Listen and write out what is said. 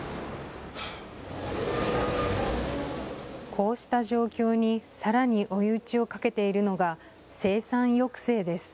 こうした状況にさらに追い打ちをかけているのが生産抑制です。